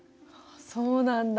そうなんだ。